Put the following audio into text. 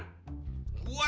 gue lagi kesal